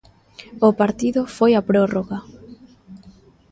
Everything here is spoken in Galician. O partido foi á prorroga.